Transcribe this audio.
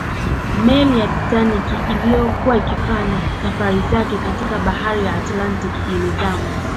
Meli ya Titanic iliyokuwa ikifanya safari zake katika bahari ya Atlantic ilizama